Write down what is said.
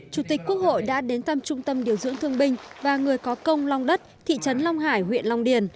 chủ tịch quốc hội đã đến thăm trung tâm điều dưỡng thương binh và người có công long đất thị trấn long hải huyện long điền